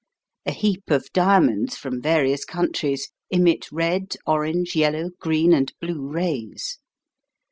A heap of diamonds from various countries emit red, orange, yellow, green, and blue rays.